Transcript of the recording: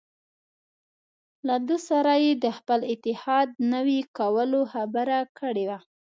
له ده سره یې د خپل اتحاد نوي کولو خبره کړې وه.